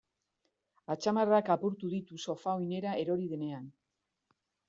Atzamarrak apurtu ditu sofa oinera erori denean.